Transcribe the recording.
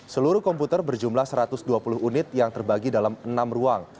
seluruh komputer berjumlah satu ratus dua puluh unit yang terbagi dalam enam ruang